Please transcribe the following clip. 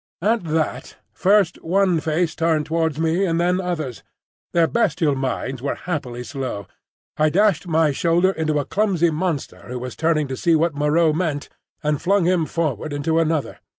At that, first one face turned towards me and then others. Their bestial minds were happily slow. I dashed my shoulder into a clumsy monster who was turning to see what Moreau meant, and flung him forward into another.